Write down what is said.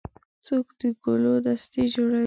څوک د ګلو دستې جوړوي.